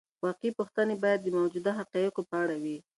واقعي پوښتنې باید د موجودو حقایقو په اړه وي.